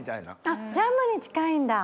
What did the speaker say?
あっジャムに近いんだ！